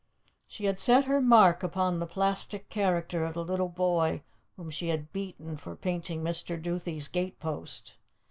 She had set her mark upon the plastic character of the little boy whom she had beaten for painting Mr. Duthie's gate post.